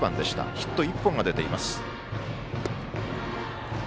ヒット１本が出ています。